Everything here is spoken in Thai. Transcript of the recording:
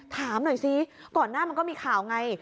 ถามหน่อยซิก่อนหน้ามันก็มีข่าวไง